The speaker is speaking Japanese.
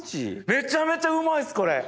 めちゃめちゃうまいっすこれ！